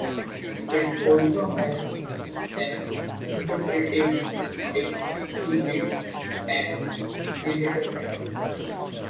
It also has an interpretive exhibit and visitor center.